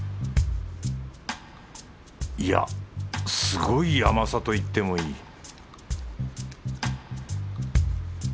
いやすごい甘さと言ってもいい